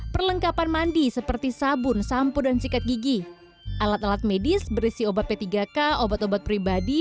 perlengkapan mandi seperti sabun sampo dan sikat gigi alat alat medis berisi obat p tiga k obat obat pribadi